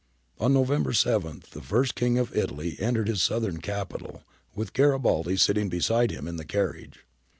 ^ On November 7 the first King of Italy entered his southern capital, with Garibaldi sitting beside him in the carriage.